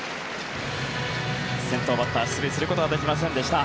先頭バッター、出塁することはできませんでした。